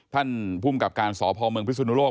ท่านภูมิกับการสพเมืองพิศนุโลก